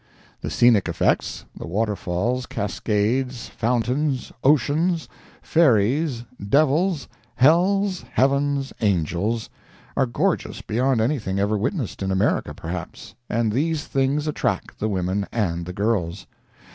The scenic effects—the waterfalls, cascades, fountains, oceans, fairies, devils, hells, heavens, angels—are gorgeous beyond anything ever witnessed in America, perhaps, and these things attract the women and the girls.